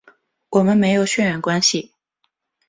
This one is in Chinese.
我们没有血缘关系